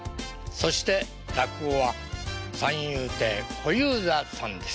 そして落語は三遊亭小遊三さんです。